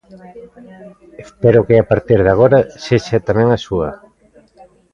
Espero que a partir de agora sexa tamén a súa.